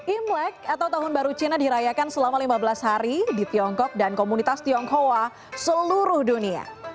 imlek atau tahun baru cina dirayakan selama lima belas hari di tiongkok dan komunitas tionghoa seluruh dunia